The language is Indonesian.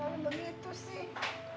bukan begitu sih